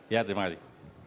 ya terima kasih